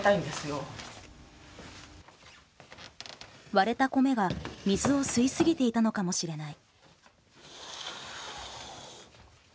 割れた米が水を吸い過ぎていたのかもしれない。